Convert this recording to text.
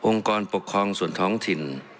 กรปกครองส่วนท้องถิ่น